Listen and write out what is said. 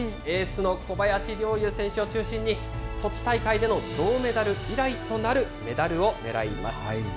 エースの小林陵侑選手を中心に、ソチ大会での銅メダル以来となるメダルを狙います。